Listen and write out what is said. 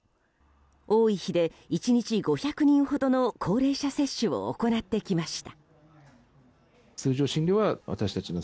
多い日で１日５００人ほどの高齢者接種を行ってきました。